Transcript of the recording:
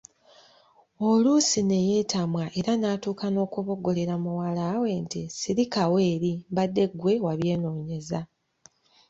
Oluusi ne yeetamwa era n’atuuka n’okuboggolera muwalawe nti, Sirikawo eri mbadde ggwe wabwenoonyeza.